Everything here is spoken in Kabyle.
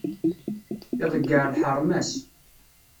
Iḍeyyeε lḥerma-s.